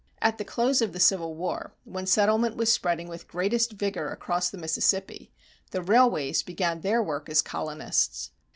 At the close of the Civil War, when settlement was spreading with greatest vigor across the Mississippi, the railways began their work as colonists.